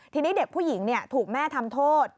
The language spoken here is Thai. ทีนี้เด็กผู้หญิงถูกแม่ทำโทษ